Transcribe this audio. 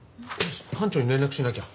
班長に連絡しなきゃ。